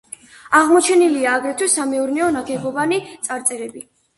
აღმოჩენილია აგრეთვე სამეურნეო ნაგებობანი, წარწერები.